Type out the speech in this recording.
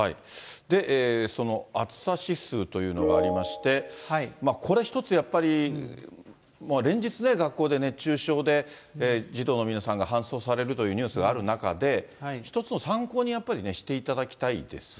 その暑さ指数というのがありまして、これ一つ、やっぱり連日ね、学校で熱中症で児童の皆さんが搬送されるというニュースがある中で、１つの参考にやっぱりしていただきたいですね。